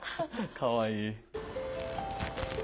かわいい。